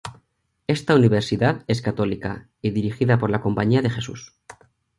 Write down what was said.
Esta universidad es católica y dirigida por la Compañía de Jesús.